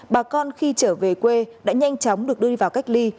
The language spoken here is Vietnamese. bà con khi trở về quê đã nhanh chóng được đưa đi vào cách ly